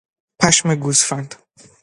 پشم گوسفند